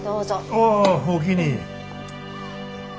ああおおきに。